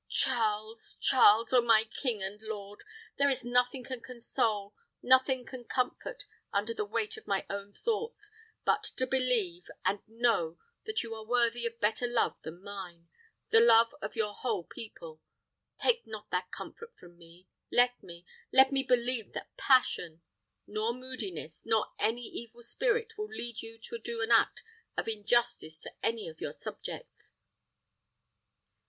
Charles, Charles! oh, my king and lord! there is nothing can console nothing can comfort under the weight of my own thoughts, but to believe and know that you are worthy of better love than mine the love of your whole people. Take not that comfort from me. Let me, let me believe that passion, nor moodiness, nor any evil spirit will lead you to do an act of injustice to any of your subjects."